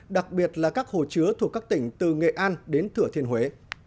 đặc biệt là các hồ chứa thuộc các tỉnh từ nghệ an đến thửa thiên huế